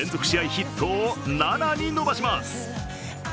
ヒットを７に伸ばします。